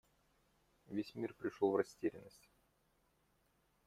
Весь мир пришел в растерянность.